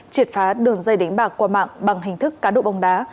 triệt phá đường dây đánh bạc qua mạng bằng hình thức cá độ bóng đá